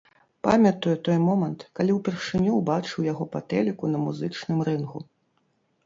Памятаю той момант, калі ўпершыню ўбачыў яго па тэліку на музычным рынгу.